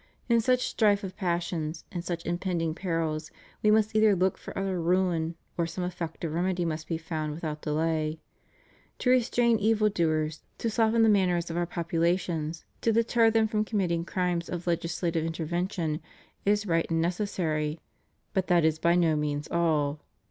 In such strife of passions, in such impending perils, we must either look for utter ruin, or some effective remedy must be found without delay. To restrain evil doers, to soften the manners of our populations, to deter them from committing crimes by legislative intervention, is right and necessary; but that is by no means all.